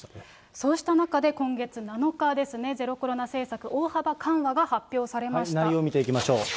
そうした中で、今月７日ですね、ゼロコロナ政策、大幅緩和が内容見ていきましょう。